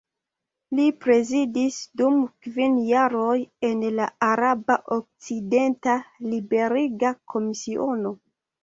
Li prezidis dum kvin jaroj en la Araba Okcidenta Liberiga Komisiono.